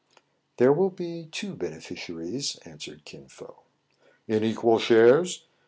" "There will be two beneficiaries," answered Kin Fo. " In equal shares